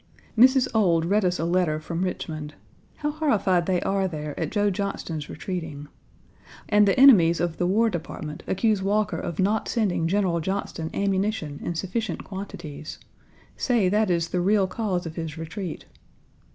Mrs. Ould read us a letter from Richmond. How horrified they are there at Joe Johnston's retreating. And the enemies of the War Department accuse Walker of not sending General Johnston ammunition in sufficient quantities; say that is the real cause of his retreat.